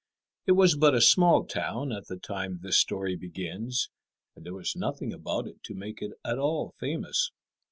It was but a small town at the time this story begins, and there was nothing about it to make it at all famous.